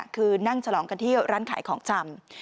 คือนั่งฉลองกันที่ร้านขายของชำ